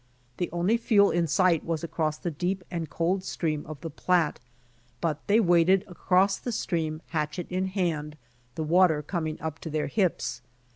The only fuel in sight was across the deep and cold stream of the Platte, but they waded across the stream hatchet in hand, the water coming up to their hips.